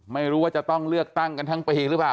ไม่รู้ว่าจะต้องเลือกตั้งกันทั้งปีหรือเปล่า